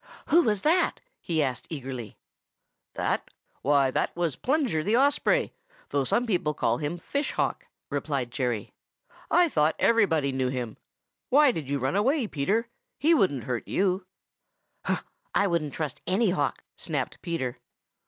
"Who was that?" he asked eagerly. "That? Why, that was Plunger the Osprey, though some people call him Fish Hawk," replied Jerry. "I thought everybody knew him. Why did you run away, Peter? He wouldn't hurt you." "Huh! I wouldn't trust any Hawk!" snapped Peter.